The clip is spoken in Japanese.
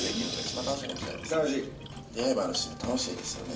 出会いもあるし楽しいですよね。